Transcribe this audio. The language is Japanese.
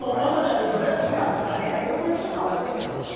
今、いろんな機能がついてますよね。